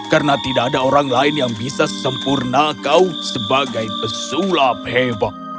karena tidak ada orang lain yang bisa sempurna kau sebagai pesulap hebat